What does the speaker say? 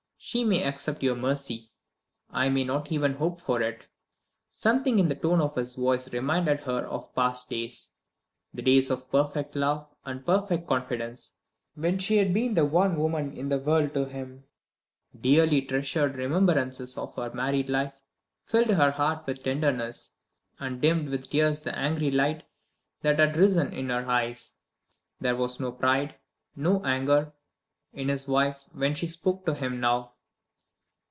"She may accept your mercy I may not even hope for it." Something in the tone of his voice reminded her of past days the days of perfect love and perfect confidence, when she had been the one woman in the world to him. Dearly treasured remembrances of her married life filled her heart with tenderness, and dimmed with tears the angry light that had risen in her eyes. There was no pride, no anger, in his wife when she spoke to him now.